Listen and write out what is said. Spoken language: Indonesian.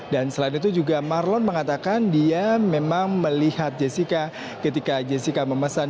dan selain itu juga marlon mengatakan dia memang melihat jessica ketika jessica memesan